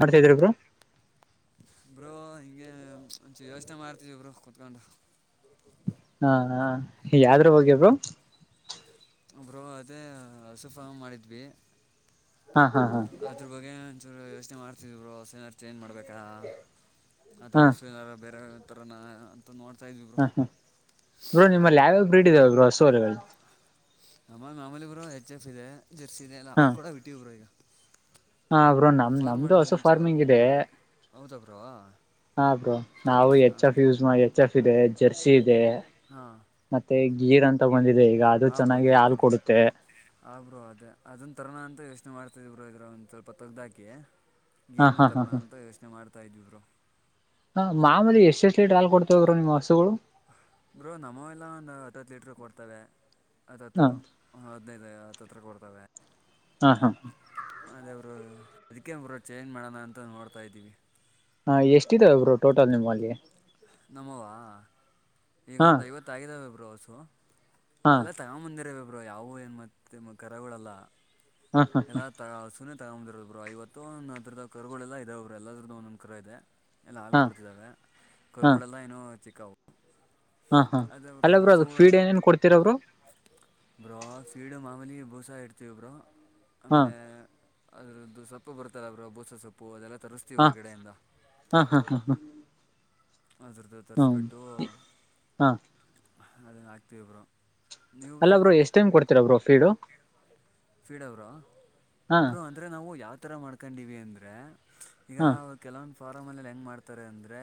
ಮಾಡ್ತಾದ್ರಬ್ರು [unintelligible] bro ಹಿಂಗೆ ಯೋಚನೆ ಮಾಡ್ತಾ ಇದೀನಿ ಬ್ರೊ ಕೂತ್ಕೊಂಡು ಹಾ ಯಾದ್ರ ಬಗ್ಗೆ ಬ್ರೋ. ಬ್ರೊ ಅದೇ ಹಸು ಫಾರ್ಂ ಮಾಡಿದ್ವಿ ಹಾ ಹಾ ಹಾ ಅದ್ರ ಬಗ್ಗೆ. ಯೋಚನೆ ಮಾಡ್ತಿದರು ಹಸನಾರು ಚೇಂಜ್ ಮಾಡ್ಬೇಕಾ ಅಥವಾ ಹಾ ಹಸುವನಾರು ಬೇರೆ. ತಾರಾನಾ. ಹಾ ಹ್ಮ ಬ್ರೋ ನಿಮ್ಮಲ್ಲಿ ಯಾವ್ಯಾಗ ಬ್ರೀಡಿದಾವ ಬ ಹಸುಗಳು [unintelligible] ಅಮ್ಮ ಮಾಮೂಲಿ ಇಬ್ರು ಹೆಚ್ ಎಫ್ ಇದೆ ಜರ್ಸಿ ಇದೆಲ್ಲ ಹಾ ಅಾಲ್ ಕೂಡ ಇಟ್ಟೀಬ್ರು ಈಗ ಹಾ ಅವರು ನಮ ನಮ್ದು ಹಸು ಫಾರ್ಮಿಂಗ್ ಇದೆ ಹೌದ ಬರು ಹ ಬ್ರೋ ನಾವು ಎಚ್ ಎಫ್ ಯೂಸ್ ಮಾಡ ಎಚ್ ಎಫ್ ಇದೆ ಜರ್ಸಿ ಇದೆ ಮತ್ತೆ ಗಿರ್ ಅಂತ ಬಂದಿದೆ ಈಗ ಅದು ಹಾ ಬ್ರೋ ಚೆನ್ನಾಗಿ ಹಾಲು ಗೀರ್ತಲಿ ಕೊಡುತ್ತೆ ಆ ಬ್ರೋ ಅದೇ ಅದನ್ ತರೋಣ ಅಂತ ಯೋಚನೆ ಮಾಡ ಇದ್ರ ಒಂದು ಸ್ವಲ್ಪ ತಗ್ದಾಕಿ ಹಾ ಗೀರ್ನ ಹಾ ಹಾ ತರೋ ಹಾ ಅಂತ ಯೋಚನೆ ಮಾಡ್ತಾ ಇದ್ವಿಬ್ರು ಹ ಮಾಮಲಿ ಎಷ್ಟ ಎಷ್ಟು ಲೀಟ್ ಹಾಲ್ ಕೊಡ್ತೋಗ್ರು ನಿಮ್ಮ ಹಸುಗಳು ಬ್ರೋ ನಮ ಎಲ್ಲ ಒಂದು ಹತ್ತುತ್ತು ಲೀಟರ್ ಕೊಡ್ತವೆ ಹಾ ಅದತ್ತು ಹದ್ನೈದು ತತ್ರ ಕೊಡ್ತವೆ ಹಾ ಹಾ ಹ ಅದೇ ಅವರು ಅದಕ್ಕೆೇ ಅವರು ಚೇಂಜ್ ಮಾಡೋಣ ಅಂತ ನೋಡ್ತಾ ಇದ್ದೀವಿ ಹಾ ಎಷ್ಟಾವ ಒಬ್ರು ಟೋಟಲ್ ನಿಮ್ಮಲ್ಲಿ ನಮ್ಮವಾ ಹಾ ಈಗೊಂದ್ ಐವತ್ ಆಗಿದಾವ ಬಬ್ರಸು ಹಾ ಎಲ್ಲಾ ತಗೊ ಬಂದಿರ ಯಾವ ಏನ್ ಮೆ ಕರಗಳಲ್ಲ ಹಾ ಹಾ ಎಲ್ಲ ಸುನೆ ತಗೊಂದಿರಲ್ ಬ್ರರು ಇವತ್ತು ಒಂದ ಅದ ಕ ಗಳೆಲ್ಲ ಇದಾವ್ರರು ಎಲ್ಲರದ್ದ ಒಂದೊಂದು ಕರ ಇದೆ ಎಲ್ಲ ಹಾಲು ಹಾ ಕೊಡ್ತಿದ್ದಾವೆ ಹಾ ಕರ್ಗಳುಗಳೆಲ್ಲ ಏನ ಚಿಕ್ಕವು ಹಾ ಹಾ ಅದರು ಅಲ್ಲ ಬ್ರೋ ಅದಕ್ ಹೊಸಗಡ ಫೀಡ್ ಏನೇನ್ ಕೊಡ್ತೀರಾ ಬ್ರೋ ಬ್ರಾಸೀಡು ಮಾಮಲಿ ಬೂಸ ಇಡ್ತೀವಬ್ರು ಹಾ ಆಮೇಲೆ ಅದರದ್ದು ಸೊಪ್ಪು ಬರ್ತಲ್ಲಬ್ರು ಬೂಸ ಸೊಪ್ಪು ಅದೆಲ್ಲ ತರಿಸ್ತೀವಿ ಹಾ ಹೊರಗಡೆಯಿಂದ ಹಾ ಹಾ ಹಾ ಹಾ ಅದರದ್ದು ತರಿಸಿಬಿಟ್ಟು ಹಾ ಅದನ್ನು ಹಾಕ್ತೀವಿಬರು ಅಲ್ಲಬ್ರು ಎಷ್ಟ್ ಟೈಮ್ ಕೊಡ್ತೀರಬ್ರು ಫೀಡು ಫೀಡ ಅವರು ಹಾ ಬರು ಅಂದರೆ ನಾವು ಯಾವ ಥರ ಮಾಡ್ಕೊಂಡಿವವಿ ಅಂದರೆ ಈಗ ಹಾ ಕೆಲವೊಂದು ಫಾರಂಲ್ಲಿಲ್ಲಿ ಹೆಂಗೆ ಮಾಡ್ತಾರೆ ಅಂದರೆ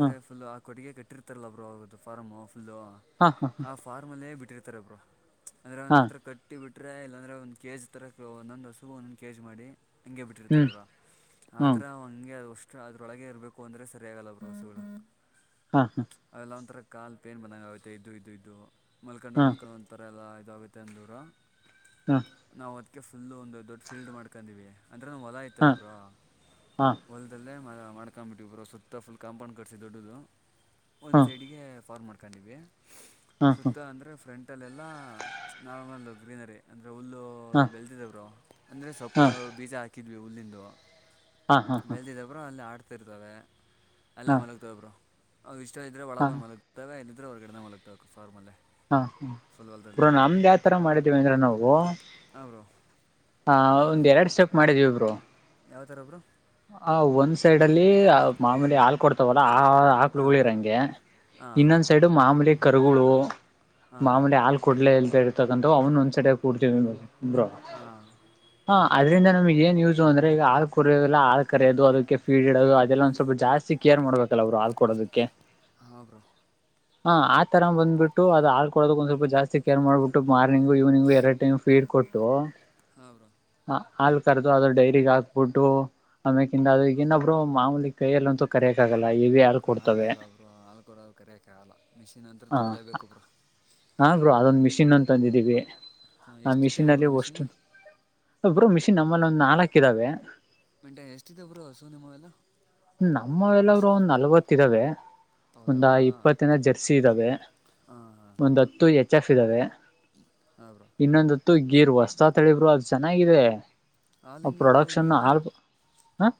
ಹಾ ಫುಲ್ ಕೊಡುಗೆ ಕಟ್ಟಿರ್ತಾರಲ್ಲಬ್ರುದು ಫಾರ್ಮ್ ಫುಲ್ಲು ಹಾ ಹಾ ಆ ಫಾರ್ಮಲ್ಲೇ ಬಿಟ್ಟಿರ್ತಾರೆ ಒಬ್ರು ಅಂದ್ರೆ ಹಾ ಒಂದ್ತ್ರ ಕಟ್ಟಿ ಬಿಟ್ರೆ ಇಲ್ಲಾಂದ್ರೆ ಒಂದ್ ಕೆಜಿ ತರ ಒಂದೊಂದ್ ಹಸು ಒಂದೊಂದ್ ಕೆಜಿ ಮಾಡಿ ಹಂಗೆ ಬಿಟ್ಟಿರ್ತಾರ ಹ್ಮ್ ಅವ್ರ ಹ್ಮ್ ಆತರ ಹಂಗೆ ಅ ಅಷ್ಟು ಅದ್ರೊಳಗೆ ಇರಬೇಕು ಅಂದ್ರೆ ಸರಿಯಗಲ್ಲ ಬಸುಗಳು ಹಾ ಹಾ ಅವೆಲ್ಲ ಒಂಥರ ಕಾಲ್ ಪೇನ್ ಬಂದಂಗ ಆಗುತ್ತೆ ಇದು ಇದು ಇದದು ಮಲ್ಕೊಂಡು ಹಾ ಮಲ್ಕೊಂಡು ಒಂಥರ ಎಲ್ಲ ಗುತ್ತೆ ಅಂದೂರ ಹಾ ನಾವು ಅದಕ್ಕೆ ಫುಲ್ ಒಂದು ದೊಡ್ಡ ಫೀಲ್ಡ್ ಮಾಡ್ಕೊಂಡಿವವಿ ಅಂದ್ರೆ ಹೊಲ ಆಯತಲ್ಲ ಹಾ ಬ್ರೋ ಹಾ ಹಾ ಹೊಲದಲ್ಲೇ ಮಾಡ್ಕೊ್ಂಬಿಟ್ಟಿ ಇಬ್ರು ಸುತ್ತ ಫುಲ್ ಕಾಂಪೌಂಡ್ ಕಟ್ಿಸಿ ದೊಡ್ಡದು ಒಂದು ಸೈಡಿಗೆ ಫ್ಮ ಮಾಡ್ ಕಣಿವ ಹಾ ಹಾ ಸುತ್ತ ಅಂದರೆ ಫ್ರಂಟಲ್ಲೆಲ್ಲ ನಾರ್ಮಲ್ಲ ಗ್ರೀನರಿ ಅಂದ್ರೆ ಹುಲ್ಲು ಬೆಳತಿದವರು ಅಂದ್ರರೆ ಸೊಪ್ಪ ಬೀಜ ಹಾಕಿದ್ವಿ ಹುಲ್ಲಿಂದು ಹಾ ಹಾ ಹಾ ಹಾ ಬೆಲ್ದಿದಬ್ರು ಅಲ್ಲಿ ಆಡ್ತ ಇರ್ತವೆ ಅಲ್ಲೇ ಹಾ ಮಲಗ್ತವಬ್ರು ಅವವು ಇಷ್ಟ ಇದ್ದೆ ಒಳಗ ಬಂದು ಮಲಗ್ತವೆಲ್ಲ ಇದ್ರೆ ಅವ್ರಗಡಡೆ ಮಲತವೆ ಫಾರ್ಮಲ್ಲೇ ಹಾ ಹ ಫುಲ್ ಬ್ರ ಹೊಲದಲ್ಲಿ ನಮ್ದ್ ಯಾವತರ ಮಾಡಿದ್ದೀವಿ ಅಂದ್ರ ನಾವು ಹಾಂ ಬ್ರೋ ಹಾ ಒಂದ್ ಎರಡು ಸೋಕ್ ಮಾಡಿದ್ವಿ ಇಬ್ರು ಯಾವ್ಥರ ಒಬ್ಬರು ಆ ಒಂದ್ ಸೈಡ್ ಅಲ್ಲಿ ಮಾಮೂಲಿ ಹಾ ಕೊಡ್ತವಲ್ಲ ಆ ಆಕ್ಲುಗಳ ಹಾಂ ಇರಂಗೆ ಹಾಂ ಇನ್ನೊಂದ್ ಸೈಡು ಮಾಮೂಲಿ ಕರುಗಳು ಹಾಂ ಮಾಮಡಿ ಹಾ ಕೊಡ್ಲೇ ಇಲ್ತ ಇರ್ತಕ್ಕಂಥ ಅವನು ಒಂದ್ಸಟ ಕೂಡ್ತೀವಿ ಬ್ರೋ ಹಾಂ ಹ ಅದ್ರಿಂದ ನಮಗೆ ಏನ್ ಯೂಸು ಅಂದ್ರೆ ಈಗ ಆ ಕುರಿ ಎಲ್ಲ ಹಾ ಕರೋದು ಅದಕ್ಕೆ ಫೀಡ್ ಇಡೋದು ಅದೆಲ್ಲ ಒಂದ ಸ್ವಲ್ಪ ಜಾಸ್ತಿ ಕೇರ್ ಮಾಡ್ಬೇಕು ಲ್ಲ ಅವರು ಆದ್ ಕೊಡೋದಕ್ಕೆ ಹಾಂ ಬ್ರೋ ಹಾ ಆ ತರ ಬಂದಬಿಟ್ಟು ಅದ ಹ ಆಳ್ಕಡೋದಕ್ ಒಂದ್ ಸ್ವಲ್ಪ ಜಾಸ್ತಿ ಕೇರ್ ಮಾಡಬಿಟ್ಟು ಇವ್ನಿಂಗು ಎರಡು ಟೈಮ್ ಫೀರ್ ಕೊಟ್ಟು ಹಾಂ ಬ್ರೋ ಹ ಹಾಲು ಕರೆದು ಅದ್ರ ಡೈಗ್ ಹಾಕ್ಬಿಟ್ಟು ಆಮ್ಯಕಿಿಂದ ಅ್ರಗ ಇನ್ನೊಬ್ಬರು ಮಾಮೂಲಿ ಕೈಯಲ್ಲ ಅಂತೂ ಕರೆಯಕ್ ಆಗಲ್ಲ ಇವೆ ಯಾರು ಕೊಡ್ತವೆ ಹಾಗಲ್ಲಬ್ರು ಹಾಲು ಕೊಡಲು ಕರಕ್ಕೆೆ ಆಲ್ಲ ಮಿಷಿನ್ ಅಂತತ್ರ ತರಲೇಬೇಕುೊಬ್ರು ಹಾರರು ಅದೊಂದ ಮಿಷಿನ್ ಅಂತ ತಂದವಿ ಹಾಂ ಆ ಎಷ್ಟಿಟ್ಟಿರ ಮಿಷಿನ್ಲ್ಲಿ ಬ್ರೋ ಒ ಮಿಷಿನು ಮಿಷ ನಮ್ಮಲ್ಲಿ ಒಂದು ನಾಲ್ಕು ಇದ್ದಾವೆ ಮೆಂಟೆ ಎಷ್ಟಿದೆ ಬ್ರೋ ಹಸು ನಿಮ್ಮವೆಲ್ಲ ನಮ್ಮ ಎಲ್ಲರು ಒಂದ್ ನಲ್ವತ್ ಇದಾವೆ ಹೌದಾ ಒಂದ ಬ್ರೋ ಹಾಂ ಇಪ್ಪತ್ತಿನ ಜರ್ಸಿ ಇದ್ದಾವೆ ಹಾಂ ಒಂದ್ ಹಾಂ ಹತ್ತು ಎಚ್ ಎಫ್ ಇದ್ದಾವೆ ಹಾಂ ಬ್ರೋ ಇನ್ನೊಂದತ್ತು ಗೀರ್ ವಸ್ತಾ ತಳಬರು ಅದು ಜೆನ ಹಾಲು [unintelligible] ಹೆಂಗೆ ಬ್ರೋ ಪ್ರೊಡಕ್ಷನ್ ಗೀರ್ದು ಹ ಹ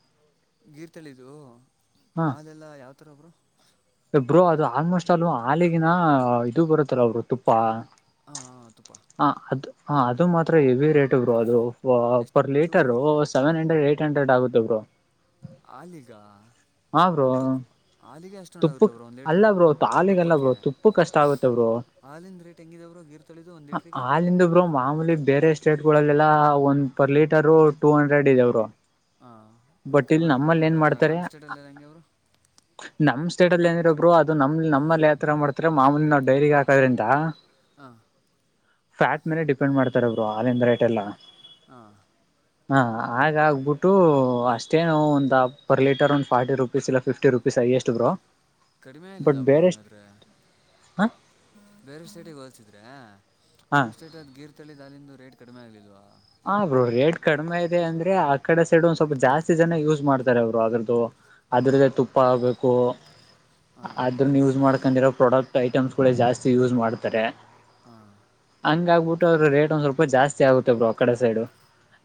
ಗೀರ್ ತಳಿದು ಆದೆಲ್ಲ ಯಾವತರ ಒಬ್ರು ಒಬ್ರು ಅದು ಆಲ್ಮೋಸ್ಟ್ ಅಲ್ಲೂ ಹಾಲಗಿನ ಇದು ಬರುತ್ತಲ್ಲ ಒಬ್ರು ತುಪ್ಪ ಹಾ ತುಪ್ಪ ಹ ಅದು ಹ ಅದು ಮಾತ್ರ ಎವಿ ರೇಟ್ ಬರು ಅದು ಪರ್ ಎಷ್ಟು litre bro seven hundred eight hundred ಆಗುತ್ತ ಬ್ರೋ ಆಲಿಗ ಹಾ ಬ್ರೋ ತುಪ್ಪ ಅಷ್ಟೊಂದಾಗುತ್ತಾ ಬ್ರೋ ಒಂದು ಲೀಟ್ರು ಅಲ್ಲ ಬ್ರೋ ತಾಲಿಗೆಲ್ಲ ಬ್ರೋ ತುಪ್ಪ ಕಷ್ಟ ಆಗುತ್ತೆ ಬ್ರೋ ಹಾಲಂದ ರೇಟ್ ಹೆಂಗಿದವರು ಗೀರು ತೊಳಿದು ಒಂದುಟರಿಗೆ ಹಾಲಿಂದ ಮಾಮೂಲಿ ಬೇರೆ ಸ್ಟೇಟ್ ಲ್ಲಲ್ಲಾ ಒಂದ್ ಪರ್ ಲೀಟರ್ ಟೂ ಹಂಡ್ರೆಡ್ ಇದೆವರು ಹಾ ಕರ್ನಾಟಕ ಅಲ್ಲ ಮಾಡ್ತಾರೆ ನಾಮ್ ಸ್ಟೇಟ್ ಅಲ್ಲಲ್ಲ ಹೆಂಗಗೆ ಅವರು ನಮ್ ಸೇಟ್ಲ್ಲಿ ಏನಿರಬ್ರು ಅದು ನಮ್ ನಮ್ಮಲ್ಲಿ ಯಾವ ತರ ಮಾಡ್ತಾರೆ ಮಾಮೂಲಿ ನಾವು ಡೈರಿಗೆ ಹಾಕೋದ್ರಿಂದ ಹ ಫ್ಯಾಟ್ ಮೇಲೆ ಡಿಪೆಂಡ್ ಮಾಡ್ತಾರಬ್ರು ಅಲ್ಲಿಂದ ರೇಟ್ ಎಲ್ಲ ಹಾ ಹಾ ಆ ಆಗ್ಬಿಟ್ಟು ಅಷ್ಟೇ ನಾವು ಒಂದ ಪರ್ ಲೀಟರ್ ಒಂದ್ ಫಾರ್ಟಿ ರುಪೀಸ್ ಇಲ್ಲ ಫಿಫ್ಟಿ ರುಪೀಸ್ ಅಯ ಎಷ್ಟ ಬ್ರೋ ಕಡಿಮೆ ಏನಿಲ್ಲ ಬಟ್ ಒಬ್ರು ಬೇರೆ ಹಂಗಾದ್ರೆ ಹ ಬೇರೆ ಸೈಟಿಗೆ ಹೋಲ್ಸಿದ್ರೆ ಹ ನಮ್ ಸ್ಟೇಟ್ ಅದ್ ಗೀರ್ ತಳಿ ದಾಲಂದು ರೇಟ್ ಕಡಿಮೆ ಆಗ್ಲಿಲ್ವಾ ಹ ಅವರು ರೇಟ್ ಕಡಿಮೆ ಇದೆ ಅಂದ್ರೆ ಆ ಕಡೆ ಸೈಡ್ ಒಂದ್ ಸ್ವಲ್ಪ ಜಾಸ್ತಿ ಜನ ಯೂಸ್ ಮಾಡ್ತಾರೆ ಅವರು ಅದ್ರದ್ದು ಅದ್ರಲ್ಲ ತುಪ್ಪ ಆಗ್ಬೇಕು ಹಾಂ ಅದ್ರನ್ನ ಯೂಸ್ ಮಾಡ್ಕೊಂಡಿರ ಪ್ರಾಡಕ್ಟ್ ಐಟಮ್ಸ್ ಜಾಸ್ತಿ ಯೂಸ್ ಮಾಡ್ತಾರೆ ಹಾ ಹಂಗ ಆಗ್ಬಿಟ್ಟುರ ರೇಟ್ ಒಂದ್ ಸ್ವಲ್ಪ ಜಾಸ್ತಿ ಆಗುತ್ತೆ ಬ್ರರು ಕಡೆ ಸೈಡು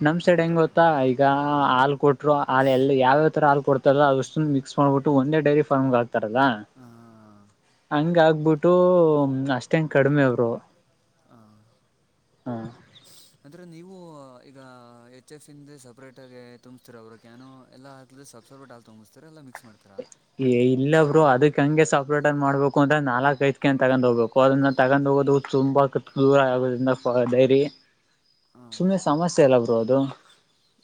ನಮ್ ಸೈಡ್ ಹೆಂಗ ಹೌದಾ ಬ್ರೋ ಗೊತ್ತಾ ಈಗ ಹಾಂ ಹಾಲ್ ಕೊಟ್ರು ಹಲ್ ಎಲ್ಲ ಯಾವ್ಯಾವ ತರ ಹಾಲ್ಡ್ತಲ್ಲ ಅಷ್ಟ ಮಿಸ್ ಮಾಡಬಟ್ಟು ಒಂದ ಡೈರಿ ಫಾರ್ಗೆ ಹಾ ರಲ್ಲ ಹಾಂ ಹಂಗ ಆಗ್ಬಿಟ್ಟು ಅಷ್ಟೇ ಹೆಂಗ ಕಡಿಮೆ ಅವರು ಹ ಹ ಅಂದ್ರೆ ನೀವು ಈಗ ಎಚ್ ಎಫ್ ಇಂದ ಸಪ್ರೇಟ್ ಆಗ ತುಂಬ್ತೀರ ಅವರು ಕಾನೋ ಎಲ್ಲ ಹಾಕ್ ಸಬ್ಸಪ್ರೇಟ್ ಆಗಿ ತುಂಬ್ತಾರೆ ಎಲ್ಲ ಮಿಕ್ಸ್ ಮಾಡ್ತೀರಾ ಇಲ್ಲಬ್ರು ಅದಕ್ ಹಂಗೆ ಸಪ್ರೇಟ್ ಅನ್ ಮಾಡ್ಬೇಕು ಅಂದ್ರೆ ನಾಲ್ಕ ಐಧು ತಗೊಂಡ ಹೋಗಬೇಕು ಅದನ್ನ ತಗೊಂಡ್ ಹೋಗ ಹ ತುಂಬಾ ದೂರ ಆಗದ್ರಿಂದ ಡೈರಿ ಹಾಂ ಸುಮ್ಮನೆ ಸಮಸ್ಯೆ ಎಲ್ಲ ಬ್ರೋ ಅದು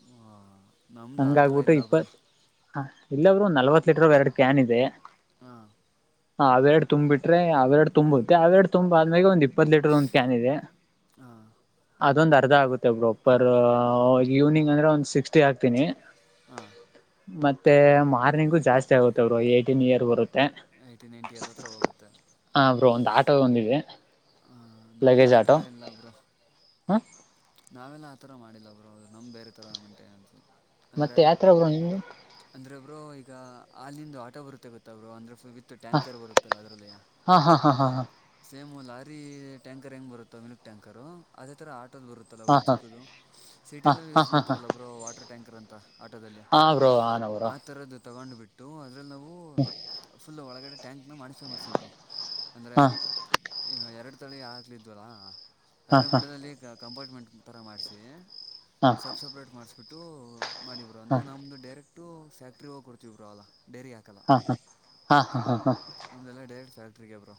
ಹಾಂ ನಮ್ಮದು ಆ ಥರ ಹಂಗಗ್ಬಿಟ್ಟು ಇಲ್ಲ ಬ್ರೋ ಇಪ್ಪತ್ ಇಲ್ಲಬ್ರು ಒಂದು ನಲ್ವತ್ ಲೀಟರ್ ಎರಡು ಕ್ಯಾನ್ ಇದೆ ಹಾ ಹ ಅವೆರಡು ತಂಬ್ಬ ಬಿಟ್ರೆರಡು ತುಂಬಬುತ್ತೆ ಅವೆರಡು ತುಂಬ ಆದ್ಮೇೆ ಒಂದಿ ಇಪ್ಪ ಲೀಟರ್ ಒಂದು ಕ್ಯಾನ್ ಇದೆ ಹಾಂ ಅದೊಂದ ಸದಾ ಆಗುತ್ತೆ ಬೋಪರ್ ಈವ್ನಿಂಗ್ ಅಂದ್ರೆ ಒಂದ್ ಸಿಕ್ಸ್ಟಿ ಹಾಗ್ತೀನಿ ಹ ಮತ್ತೆ ಮಾರ್ನಿಂಗು ಜಾಸ್ತಿ ಆಗುತ್ತ ಅವರು ಏಟೀನ್ ಇಯರ್ ಬರುತ್ತೆ ಏಯ್ಟಿ ನೈಂಟಿ ಹತ್ತತ್ರ ಮತ್ತ ಹೋಗುತ್ತೆ ಹ ಬ್ರೋ ಒಂದು ಆಟೋ ಒಂದಿದೆ ಹ ನಮ್ದು ಲಗೇಜ್ ಆ ಥರ ಆಟೋ ಎಲ್ಲ ಬರು ಹ ನಾವೆಲ್ಲ ಆತರ ಮಾಡಿಲ್ಲ ಬ್ರೋ ನಮ ಬೇರೆ ಥರ ಮಂಂತೆೆ ಅಂತು ಮತ್ತೆ ಯತ್ರಬ್ರು ನಿ್ದು ಅಂದರೆ ಈಗ ಅಲ್ಲಿಂದ ಆಟೋ ಬರುತ್ತೆ ಗೊತ್ತ ಅವರು ಅಂದ್ರೆ ವಿತ್ತು ಟ್ಯಾಂಕರ್ ಬರುತ್ತಲ್ಲ ಅದರಲ್ಲಿಯ ಹಾ ಹಾ ಹಾ ಹಾ ಸೇಮ್ ೀ ಟ್ಯಾಂಕರ್ ಹೆಂಗ್ ಬರುತ್ತೋ ಮಿಲ್ಕ್ ಟ್ಯಾಂಕರ್ ಅದೇ ತರ ಆ ಆಟೋದು ಬರುತ್ತಲ್ಲ ಹಾ ಒಬ್ರು ಹಾ ಹಾ ಚಿಕ್ಕದು ಸಿಟಿಯಲ್ಲೆಲ್ಲಿ ಹಾ ಹಾ ಯೂಸ್ ಹಾ ಹಾ ಮಾಡ್ತಾರಲ್ಲ ಒಬ್ರು ವಾಟರ್ ಟ್ಯಾಂಕರ್ ಅಂತ ಆಟೋದಲ್ಲಿ ಹಾ ಬ್ರೋ ಆನ ಬ್ರೋ ಆ ತರದ್ದು ತಗೊಂಡ್ ಬಿಟ್ಟು ಅದ್ರಲ್ಲಿ ನಾವು ಫುಲ್ ಒಳಗಡೆ ಟ್ಯಾಂಕ್ನ ಮಾಡಿಫೈ ಮಾಡ್ಿಸಿದರು ಅಂದರೆ ಹಾ ಈಗ ಎರಡು ತಳಿ ಆಗ್ಲಿದ್ವಲ್ಲ ಹಾ ಆದದರೆ ಹಾ ಮಿಡದಲ್ಲಿ ಕ ಕಂಪಾರ್ಟ್ಮೆಂಟ್ ಥರ ಮಾಡಿಸಿ ಹಾ ಹಾ ಸಬ್ಸಪ್ರೇಟ್ ಮಾಡಿಸ್ಬಿಟ್ಟು ಮಾಡಬರು ಹಾ ಹಾ ಅಂದ್ರೆ ನಮದು ಡೈರೆಕ್ಟ್ ಟ್ಟು ್ಯಾಕ್ಟರಿ ಹೋಗ ಕೊಡ್ತವಿಿರಾಲಲ್ಲ ಹಾ ಹಾ ಹಾ ಹಾ ಹಾ ಹಾ ಕ ಬ್ರೋ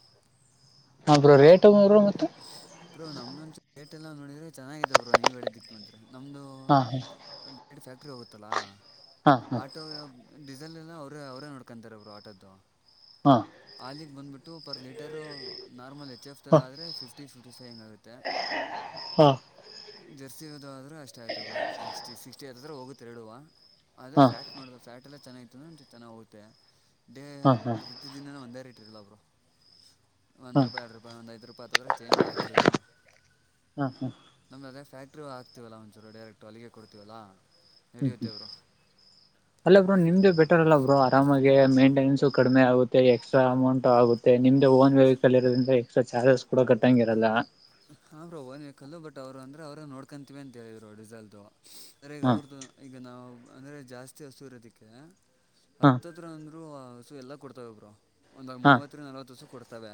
ಅ ರೇಟ ಬ್ರೋ ನಮ್ದೊಂದುೇಟ್ ಎಲ್ಲ ನೋಡಿದ್ರೆ ಚೆನ್ನಿದ ಬ್ರೋ ನೀವ್ ಹೇಳಿದ್ದಿಕ್ ನೋಡಿದ್ರೆ ನಮ್ಮದು ಹಾ ಹಾ ಡು ಫ್ಯಾಕ್ಟ್ರಿ ಹೋಗುತ್ತಲ್ಲ ಹಾ ಆಟೋ ಡಿಸೆಲ್ ಎಲ್ಲ ಅವ್ರರು ಅವರೇ ನೋಡ್ಕೊಂತಾರೆ ಅವರು ಆಟೋದ್ದು ಹಾ ಹಾಲಗ್ ಬಂದ್ಬಿಟ್ಟು ಪರ್ ಲೀಟರ್ ನಾರ್ಮಲ್ ಐತಿ ಎಚ್ ಎಫ್ ಹಾ ಎಲ್ಲ ಆದರೆ ಫಿಫ್ಟಿ ಫಿಫ್ಟಿ ಫೈ್ ಹೆಂಗಾಗುತ್ತೆ ಹಾ ಹಾ ಹಾ ಜರ್ಸಿದ ಆದ್ರೆಷ್ಟ ಆಯ್ತ ಸಿ ಸಿಟ ಅದ ಹತ್ರ ಹೋಗುತ್ತೆರಡುವ ಅರೆ ಹಾ ಫ್ಯಾಟ್ ನೋಡ್ದ ಫ್ಯಾಟ್ ಎಲ್ಲ ಚೆನ್ನಾಗಿತ್ತು ಅಂದ ಚೆನ್ನಾಗಿ ಹೋಗುತ್ತೆ ಹಾ ಹಾ ಪ್ರೃದ್ಧ ಒಂದೇ ರ ಇಟ್ ಇಲಲ್ಲಬ್ರು ಒಂದು ಹಾ ರೂಪಾಯಿ ಎರಡು ರೂಪಾಯಿ ಒಂದ ಐದು ರೂಪಾಯಿ ಹತ್ತದ್ರೆ ಚೇಂಜ್ ಆಗ್ತಿರುತ್ತೆರು ಹಾ ಹ್ಮ್ ನಮ್್ದ ಅದೇ ಫ್ಯಾಕ್ಟ್ರಿ ಹಾಕ್ತಿವಲ್ಲ ಒಂಚೂರು ಡೈರೆಕ್ಟ್ ಅಲಿಗೆ ಕೊಡ್ತಿೀವಲ್ಲಾ ಹ್ಮ್ ಹ್ಮ್ ಅಲ್ಲ ಬ್ರೋ ನಿಮ್ದೇ ಬೆಟಾರಲ್ಲ ಬ್ರೋ ತಮಗೆ ಮೈಂಟೆನೆನ್ಸು ಕಡಿಮೆ ಆುತ್ತೆ ಎಕ್ಸ್ಟ್ರಾ ಅಮೌಂಟ್ ಆಗುತ್ತೆ ನಿಮ್ದೆ ಓನ್ ವೆಹಕ್ಲ್ಲಿ ಇರದ್ರಿಂದ ಎಸ್ಟಾ ಚಾರ್ಸ್ ಕೂಡ ಕಟ್ಟಂಗ ಇರಲ್ಲ ಹಾ ಬ್ರೋ ಓನ್ ವೇಕಲ್ಲ ಬಟ್ ಅವರುಂದ್ರೆ ಅವ್ರ ನೋಡ್ಕೊಂತೀವಿ ಅಂತ ಹೇಳಿದ್ರು ರಿಸಲ್ಟ್ ಅ್ರ ಈಗ ಹಾಂ ಅವ್ರದು ಈಗ ನಾವು ಅಂದ್ರೆ ಜಾಸ್ತಿ ಹಸೂರದಿಕ್ಕೆ ಹಾಂ ಹತ್ತತ್ರಂದ ಇ ಹಸು ಎಲ್ಲಾ ಕೊಡ್ತವೆ ಒಬ್ರು ಒಂದ ಹಾಂ ಮೂವತ್ತ ನಲ್ವತ್ತು ಹಸು ಕೊಡ್ತವೆ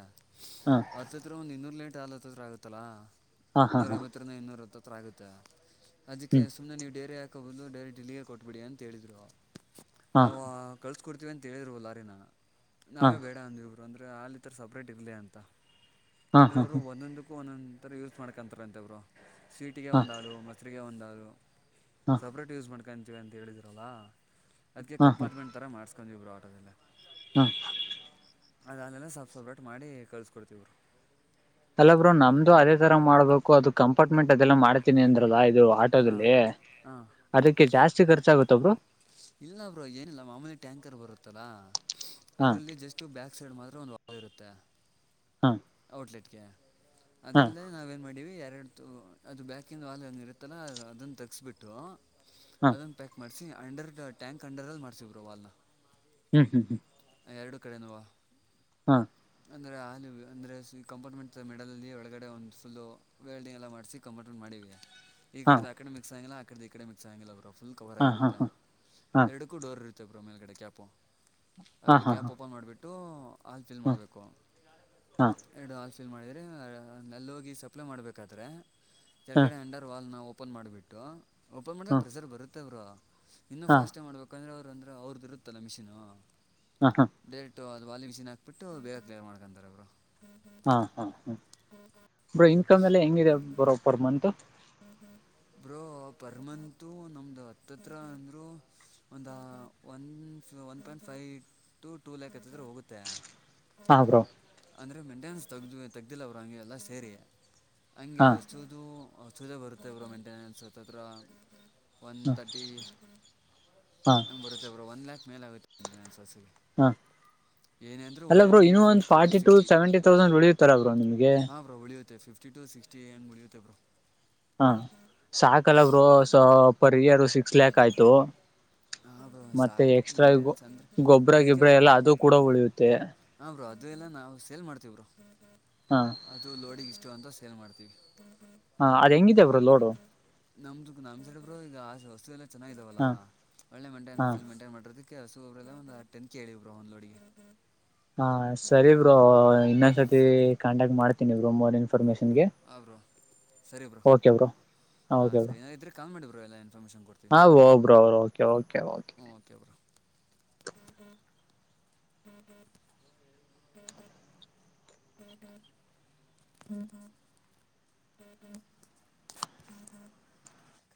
ಹತ್ತತ್ರ ಒಂದಂದು ಇನ್ನೂರು ಲೇಟ್ ಆಲತ್ತತ್ರ ಆಗುತ್ತಲ್ಲಾ ಹಾಂ ಹಾಂ ಹಾಂ ನೂರ ಹಾಂ ಐವತ್ತರಂದ ಇನ್ನೂರ ಹತ್ತ ಹತ್ರರ ಆಗುತ್ತೆ ಅದಕ್ಕೆ ಹ್ಞೂ ಸುಮ್ಮನೆ ನೀವು ಡೈರಿ ಹಾಕೋಬೋದು ಡೈರಿ ಡಿಲರ್ ಕೊಟ್ಬಿಡಿ ಅಂತ ಹೇಳ್ರು ಹಾಂ ನಾವು ಕಳ್ಸ್ಕೊಡ್ತೀವಿ ಅಂತೇಳಿದ್ರುವಲ್ಲಾರಿ ನಾನು ಹಾಂ ನಾವೇ ಬೇಡ ಅಂದ ಅಂದ್ರೆ ಅಲ್ಲಿ ತರ ಸಪ್ರೇಟ್ ಇರ್ಲಿ ಅಂತ ಹಾಂ ಅಂದ್ರೆ ಹಾಂ ಅವರು ಹಾಂ ಒಂದೊಂದು ೋ ಒನ್ಂತರ ಯೂಸ್ ಮಾಡ್ಕೊಂತಾರಂತಬ್ರು ಸ್ವೀಟಿಗೆ ಒಂದಾಲು ಮೊಸರಿಗೆ ಒಂದಾಲು ಹಾಂ ಸಪ್ರೇಟ್ ಯೂಸ್ ಮಾಡ್ಕಂತೀವಿ ಅಂತ ಹೇಳಿದ್ರಲ್ಲಾ ಅದ್ಕ್ಕೆ ಕಂಪಾರ್ಟ್ಮೆಂಟ್ ತರ ಮಾಡ್ ಕಂಜ ಬುಾತ ಹಾ ಅದ ಅಲ್ಲೆಲ್ಲ ಸಬ್ ಸಪ್ರೇಟ್ ಮಾಡಿ ಕಳ್ಸ್ಕೊಡ್ತವರು ಎಲ್ಲರು ನಮ್ದು ಅದೇ ತರ ಮಾಡ್ಬೇಕು ಅದು ಕಂಪಾರ್ಟ್ಮೆಂಟ್ ಅದೆಲ್ಲ ಮಾಡತೀನಿ ಅಂದ್ರದ್ ಇದು ಹಾಂ ಆಟೋದಲ್ಲಿ ಹಾಂ ಅದಕ್ಕೆ ಜಾಸ್ತಿ ಖರ್ಚಾಗುತ್ತೊಬ್ರು ಇಲ್ಲ ಬ್ರೋ ನಿಲ್ಲ ಮಾಮೂಲಿ ಟ್ಯಾಂಕರ್ ಬರುತ್ತೆ ಹಾಂ ಅದರಲ್ಲಿ ಜಸ್ಟು ಬ್ಯಾಕ್ ಸೈಡ್ ಮಾತ್ರ ಒಂದು ವ ಇರುತ್ತೆ ಹಾ ಔಟ್ಲೆಟ್ಗೆ ಅದರಲ್ಲೇ ನಾವೇಏನು ಮಾಡೀವಿ ಎರಡು ಅದು ಬ್ಯಾಕಂದು ವಾಲ್ ಇರುತ್ತೆ ಅದನ್ನ ತಗಸ್ಬಿಟ್ಟು ಹಾಂ ಅದನ್ನ ಪ್ಯಾಕ್ ಮಾಡ ಮಾಡಿಸಿಿ ಅಂಡರ್ ಟ್ಯಾಂಕ್ ಅಂಡರಲ್ಲಿ ಮಾಡ್ಸ ಬೋ ವಲ್ನ ಹ್ಮ್ ಹ್ಮ್ ಹ್ಮ್ ಎರಡು ಕಡೆನುವಾ ಹಾ ಅಂದರೆೆ ಆಲ ಅಂದರೆ ಕಂಪಾರ್ಟ್ಮೆಂಟ್ ಮಿಡಲಲ್ಲಿ ಒಳಗಡೆ ಒಂದು ಫು ವೆಲ್ಡಿಂಗ್ ಎಲ್ಲ ಮಾಡಿಸಿ ಕಂಪಾರ್ಟ್ಮೆಂಟ್ ಮಾಡಿವವಿ ಈ ಹಾಂ ಕಡೆ ಆ ಕಡೆ ಮಿಕ್ಸ್ ಆಗಂಗಿಲ್ಲ ಆ ಕಡೆ ಈ ಕಡೆ ಮಿಕ್ಸ್ ಆಗಂಗಿಲ್ಲ ಅವ್ರ ಫುಲ್ ಕವರ್ ಹಾಂ ಹಾಂ ಹಾಂ ಆಗಿರುತ್ತೆ ಹಾಂ ಹಾಂ ಎರಡಕ್ಕೂಡರ್ ಇರುತ್ತೆ ಮತ್ತಬರು ಮೇಲುಗಡೆ ಕ್ಯಾಪು ಹಾಂ ಅಗಡೆ ಹಾಂ ಹಾಂ ಕ್ಯಾಪ್ ಓಪನ್ ಮಾಡಿಬಿಟ್ಟು ಆಲ್ ತಿಲ್ ಹಾಂ ಮಾಡ್ಬೇಕು ಹಾಂ ಎರಡು ಆ ಫಿಲ್ ಮಾಡಿದ್ರ ನಲ್ಲಿ ಹೋಗಿ ಸಪ್ಲ ಮಾಡ್ಬೇಕಾದ್ರೆ ಹಾಂ ಕೆಳಗಡೆ ಅಂಡರ್ ವಾಲ್ ನ ಓಪನ್ ಮಾಡಿಬಿಟ್ಟು ಓಪನ್ ಮಾಡಿದಾಗೆ ಹಾಂ ಪ್ರೆಸರ್ ಬರುತ್ತೆ ಅವರು ಇನ್ನೂ ಹಾಂ ಫಾಸ್ಟಾಗಿ ಮಾಡ್ಬೇಕಂದ್ರೆ ಅವ್ರು ಅಂದ್ರೆ ಅವ್ರದ ಇರುತ್ತಲ್ಲ ಮಿಷಿನ್ ಹಾ ಹಾ ಅದು ಬಾಲಿ ಮಿಷನ್ ಹಾಕ್ಬಿಟ್ಟು ಬೇರೆ ಕಲೇರ್ ಮಾಡ್ಕಂತಾರೆ ಅವರು ಹಾ ಹಾ ಹಾ ಬ್ರ ಇನ್ಕಮ್ ಎಲ್ಲ ಹೆಂಗಿದೆ ಬರೋ ಪರ್ ಮಂತ್ ಬ್ರೋ ಹ ಪರ್ ಮಂತು ನಮ್ದು ಹತ್ತತ್ರಿ ಅಂದರೂ ಒಂದು ಒನ್ ಒನ್ ಪಾಯಿಂಟ್ ಫ ಫೈವ ಟು ಟೂ ಲ್ಯಾಕ್ ಹತ್ತದ್ರೆ ಹೋಗುತ್ತೆ ಹಾ ಬ್ರೋ ಅಂದರೆ ಮೇಂಟೆನೆನ್ಸ್ ತೆಗ್ದ ತೆಗ್ದಿಲ್ಲ ಅವರು ಹಂಗೆ ಎಲ್ಲ ಸೇರಿ ಹಂಗೆ ಹಾ ಹಸದು ಛದ ಬರುತ್ತೆ ಇ ಬರು ಮೈಂಟೆನೆೆನ್ಸ್ ತತ್ರ ಒನ್ ಹ ತರ್ಟಿ ಹಾ ಹಂಗ್ ಬರುತ್ತೆ ಬ್ರ ಒನ್ ಲ್ಯಾಕ್ ಮೇಲೆ ಆಗುತ್ತೆ ಹಸುಗೆ ಹಾ ಏನೇ ಅಂದರೂ ಅಲ್ಲ ಉಳಿಯೋದು ಬ್ರೋ ನಮ್ಮದು ಇನ್ನು ಒಂದು fifty forty to sixty seventy thousand ಉಳಿಯತಾರ ಬ್ರೋ ನಿಮ್ಗೆ ಹಾಂ ಬ್ರೋ ಉಳಿಯುತ್ತೆ ಫಿಫ್ಟಿ ಸಿಕ್ಸ್ಟಿಏನ್ ಮುಡುತ್ತೆ ಬೋ ಹಾ ಸಾಕಲ್ಲಬ್ರು ಪರ್ ಇಯರ್ ಸಿಕ್ಸ್ ಲ್ಯಾಕ್ ಆಯ್ತು ಹಾಂ ಬ್ರೋ ಮತ್ತೆ ಸಾಕು ಎಕ್ಸ್ಟ್ರಾ ಮೇಂಟೆನೆನ್ಸ್ ಅಂದರೆ ಗೊಬ್ಬ್ರ ಗಿಬ್ಬ್ರ ಎಲ್ಲ ಅದು ಕೂಡ ಉಳಿಯುತ್ತೆ ಹಾ ಬರು ಅದು ಎಲ್ಲ ನಾವು ಸೇಲ್ ಮಾಡ್ತೀವರು ಹಾ ಅದು ಲೋಡಿಗ್ ಇಷ್ಟು ಅಂತ ಸೇಲ್ ಮಾಡ್ತೀವಿ ಹಾ ಅದ್ ಹೆಂಗಿದೇ ಬರು ಲೋಡು ನಮ್ದು ನಮ್ ಸೈಡ್ಬ್ರು ಈಗ ವಸ್ಎಲ್ಲ ಚನ್ನಿದಾವಲ್ಲ ಹಾ ಒಳ್ಳೆ ಹಾ ಮೈಂಟೈನ್ಸ್ ಮೈಂಟೈನ್ ಮಾಡಿರದ ಕೆಲಸಗ ಒಬ್ಬ್ರಲ್ಲ ಒಂದ್ ಆಟ್ಟಟನ್ ಕೇಳಿ್ರ ಒಂದೊೋಗೆ ಹಾ ಸರಿ ಬ್ರೋ ಇನ್ನೊಂದ್ಸತಿ ಕಾಂಟ್ಯಾಕ್ಟ್ ಮಾಡ್ತೀನಿ ಬರು ಮೊ ಇನ್ಫಾರ್ಮೇಶನ್ ನಗೆ ಹಾಂ ಓಕೆ ಬರು ಹಾ ಸರಿ ಇದ್ರೆ ಕಾಲ್ ಮಾಡಿಬ್ರೋ ಎಲ್ಲ ಇನ್ಫಾರ್ಮೇಷನ್ ಕೊಡ್ತೀವಿ ಹಬ್ರಬ ಹ್ಮ ಹ್ಮ ಹ್ಮ ಹ ಹ್ಮದ ಪೇ ಹ ಹ ಹ ಪೇ ಹಡು ಹ